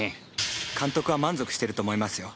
監督は満足してると思いますよ。